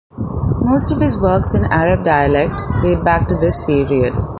Most of his works in Arab dialect date back to this period.